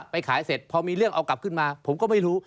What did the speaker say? พอมีเรื่องเอากลับขึ้นมาผมก็ไม่รู้